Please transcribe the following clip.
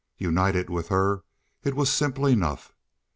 United with her it was simple enough.